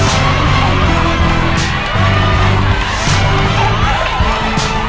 ใส่๒แม่งโมสองมีแปลงกามีน้ำจิ้มนะครับ